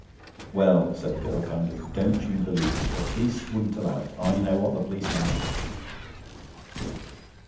'Well,' said the girl kindly, 'don't you believe it. The police wouldn't allow it. I know what the police are.'